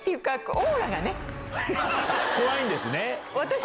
怖いんですね。